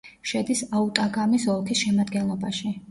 შედის აუტაგამის ოლქის შემადგენლობაში.